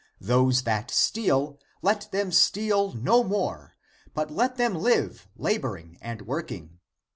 Those that steal, let them steal no more, but let them live, laboring and working.